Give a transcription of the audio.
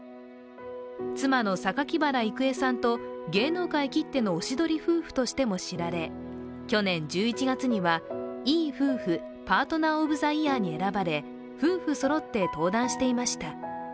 妻の榊原郁恵さんと芸能界きってのおしどり夫婦としても知られ去年１１月には、いい夫婦パートナー・オブ・ザ・イヤーに選ばれ、夫婦そろって登壇していました。